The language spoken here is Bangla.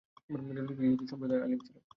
লোকটি ইহুদী সম্প্রদায়ের আলিম ছিল।